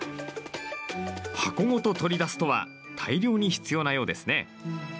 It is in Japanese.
箱ごと取り出すとは大量に必要なようですね。